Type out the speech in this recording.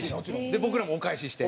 僕らもお返しして。